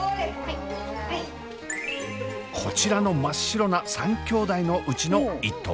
こちらの真っ白な３兄弟のうちの一頭。